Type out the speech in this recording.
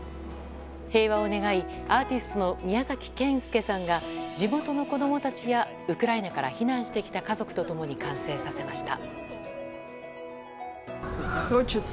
平和を願い、アーティストのミヤザキケンスケさんが地元の子供たちやウクライナから避難してきた家族と共に、完成させました。